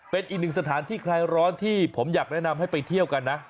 เป็นอีกหนึ่งสถานที่คลายร้อนที่ผมอยากแนะนำให้ไปเที่ยวกันนะ